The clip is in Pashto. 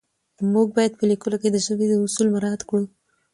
موږ باید په لیکلو کې د ژبې اصول مراعت کړو